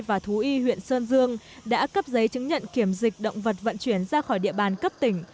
và thú y huyện sơn dương đã cấp giấy chứng nhận kiểm dịch động vật vận chuyển ra khỏi địa bàn cấp tỉnh